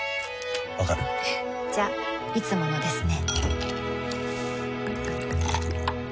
わかる？じゃいつものですね